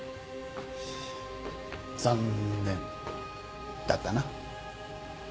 残念だったな。